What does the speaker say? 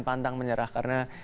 pantang menyerah karena